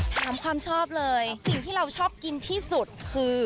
ความชอบเลยสิ่งที่เราชอบกินที่สุดคือ